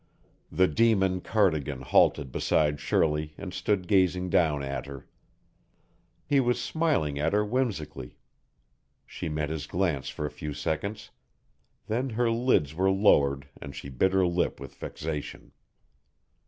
The demon Cardigan halted beside Shirley and stood gazing down at her. He was smiling at her whimsically. She met his glance for a few seconds; then her lids were lowered and she bit her lip with vexation.